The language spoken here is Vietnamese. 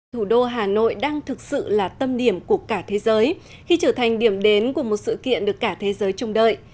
thủ đô hà nội đang thực sự là tâm điểm của cả thế giới khi trở thành điểm đến của một sự kiện được cả thế giới trông đợi